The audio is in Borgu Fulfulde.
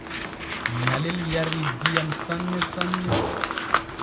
Nyalel yarii diyam sanne sanne.